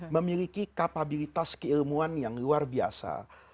memiliki kapabilitas keilmuan yang luar biasa